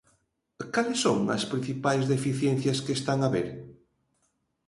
Cales son as principais deficiencias que están a ver?